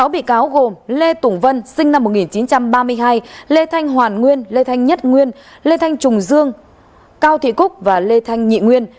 sáu bị cáo gồm lê tùng vân sinh năm một nghìn chín trăm ba mươi hai lê thanh hoàn nguyên lê thanh nhất nguyên lê thanh trùng dương cao thị cúc và lê thanh nhị nguyên